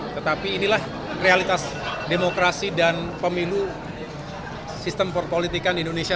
tetapi inilah realitas demokrasi dan pemilu sistem perpolitikan indonesia